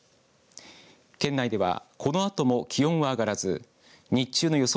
県内ではこのあとも気温は上がらず日中の予想